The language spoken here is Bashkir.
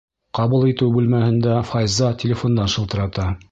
Ҡабул итеү бүлмәһендә Файза телефондан шылтырата.